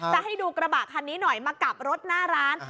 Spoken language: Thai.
จะให้ดูกระบะคันนี้หน่อยมากลับรถหน้าร้าน